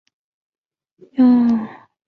岩生香薷为唇形科香薷属下的一个种。